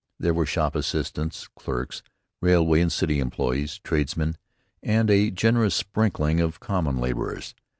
There were shop assistants, clerks, railway and city employees, tradesmen, and a generous sprinkling of common laborers.